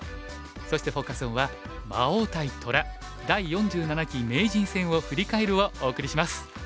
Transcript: そしてフォーカス・オンは「『魔王』対『虎』第４７期名人戦を振り返る」をお送りします。